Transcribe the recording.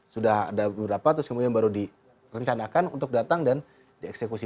sudah ada beberapa terus kemudian baru direncanakan untuk datang dan dieksekusi